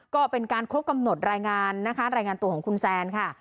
ก็เป็นการครบกำหนดรายงานตัวของคุณแซนค่ะ